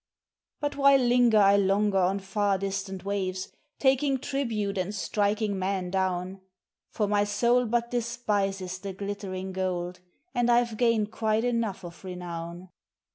"But why linger I longer on far distant waves, taking tribute and striking men down? For my soul but despises the glittering gold, and I've gained quite enough of renown.